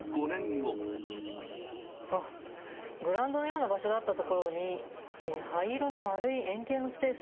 あっ、グラウンドのような場所だった所に、灰色の丸い、円形のスペース。